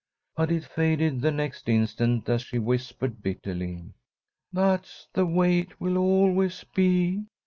But it faded the next instant as she whispered, bitterly: "That's the way it will always be.